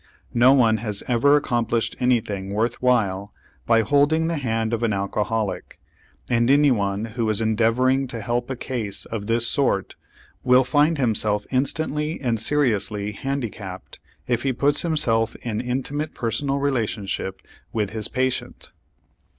No one has ever accomplished anything worth while by holding the hand of an alcoholic, and any one who is endeavoring to help a case of this sort will find himself instantly and seriously handicapped if he puts himself in intimate personal relationship with his patient.